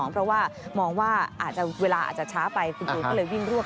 เพราะว่ามองว่าเวลาอาจจะช้าไปพี่ตูลก็เลยวิ่งรวบ